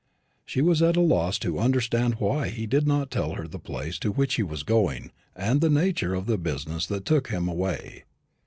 She was at a loss to understand why he did not tell her the place to which he was going, and the nature of the business that took him away.